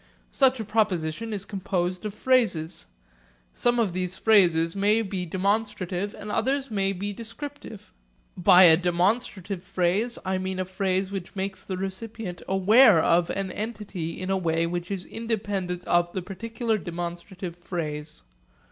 Such a proposition is composed of phrases; some of these phrases may be demonstrative and others may be descriptive. By a demonstrative phrase I mean a phrase which makes the recipient aware of an entity in a way which is independent of the particular demonstrative phrase.